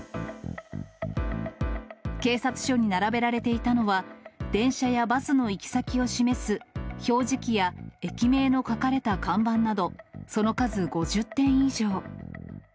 警察署に並べられていたのは、電車やバスの行き先を示す表示器や、駅名の書かれた看板など、その数、５０点以上。